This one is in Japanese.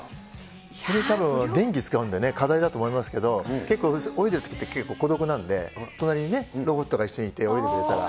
それたぶん、電気使うんで、課題だと思いますけど、結構、泳ぐって孤独なんで、隣にロボットが一緒にいて、泳いでくれたら。